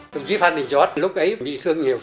đồng chí phan đình giót lúc ấy bị thương nhiều